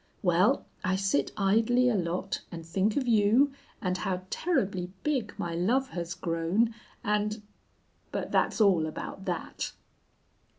Well, I sit idly a lot and think of you and how terribly big my love has grown, and ... but that's all about that!